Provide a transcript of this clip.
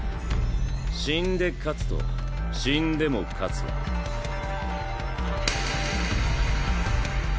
「死んで勝つ」と「死んでも勝つ」はパチン！